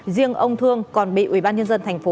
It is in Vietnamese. riêng ông thương còn bị ubnd tp